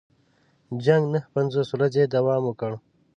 جنګ نهه پنځوس ورځې دوام وکړ.